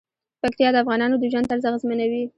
پکتیا د افغانانو د ژوند طرز اغېزمنوي.